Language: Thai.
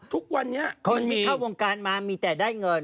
ทุกวันนี้มันมีเข้าวงการมามีแต่ได้เงิน